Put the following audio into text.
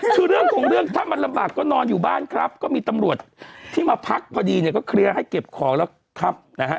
คือเรื่องของเรื่องถ้ามันลำบากก็นอนอยู่บ้านครับก็มีตำรวจที่มาพักพอดีเนี่ยก็เคลียร์ให้เก็บของแล้วครับนะฮะ